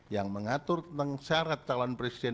yang mengatur tentang syarat calon presiden